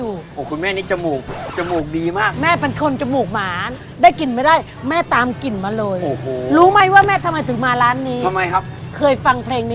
อื้อหือชมกับยี่ตุ๋นไว้๕๖ชั่วโมงครับผม